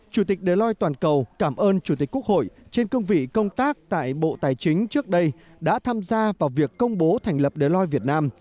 chủ tịch deloi toàn cầu cảm ơn chủ tịch quốc hội trên cương vị công tác tại bộ tài chính trước đây đã tham gia vào việc công bố thành lập deloi việt nam